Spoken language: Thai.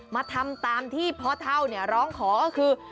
มาทำตามที่พ่อเท่าร้องขอก็คือ